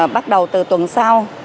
bắt đầu từ tuần sau